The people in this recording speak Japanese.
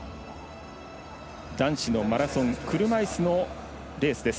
男子のマラソン車いすのレースです。